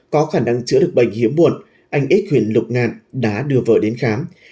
có khả năng chữa được bệnh hiếm muộn anh ít huyện lục ngan đã đưa vợ đến khám